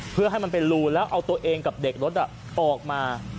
เพื่อให้มันเป็นรูแล้วเอาตัวเองกับเด็กรถออกมา